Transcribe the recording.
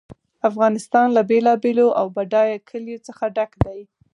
افغانستان له بېلابېلو او بډایه کلیو څخه ډک دی.